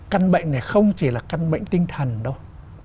căn bệnh này không chỉ là căn bệnh tinh thần đâu